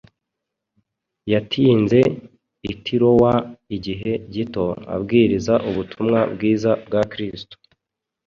Yatinze i Tirowa igihe gito “abwiriza ubutumwa bwiza bwa Kristo”